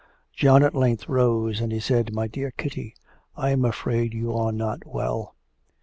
John at length rose, and he said, 'My dear Kitty, I am afraid you are not well....'